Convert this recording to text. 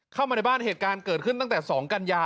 เข้ามาในบ้านเหตุการณ์เกิดขึ้นตั้งแต่๒กันยา